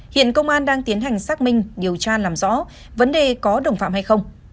hiện công an đang tiến hành xác minh điều tra làm rõ vấn đề có đồng phạm hay không